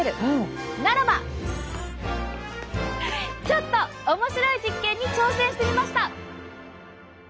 ちょっと面白い実験に挑戦してみました！